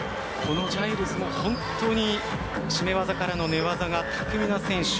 ジャイルスも本当に絞技からの寝技が巧みな選手。